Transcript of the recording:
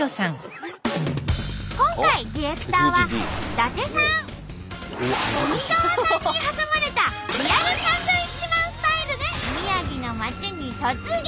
今回ディレクターは伊達さん富澤さんに挟まれたリアル・サンドウィッチマンスタイルで宮城の町に突撃！